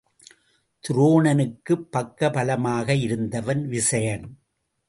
துரோணனுக்குப் பக்க பலமாக இருந்தவன் விசயன்.